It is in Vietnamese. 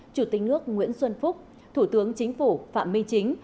chủ tịch nước nguyễn xuân phúc thủ tướng chính phủ phạm minh chính